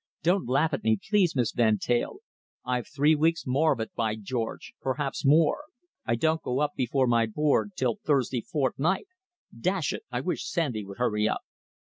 Don't laugh at me, please, Miss Van Teyl. I've three weeks more of it, by George perhaps more. I don't go up before my Board till Thursday fortnight. Dash it, I wish Sandy would hurry up!"